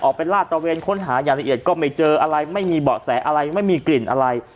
ไปลาดตะเวนค้นหาอย่างละเอียดก็ไม่เจออะไรไม่มีเบาะแสอะไรไม่มีกลิ่นอะไร